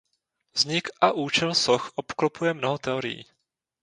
Vznik a účel soch obklopuje mnoho teorií.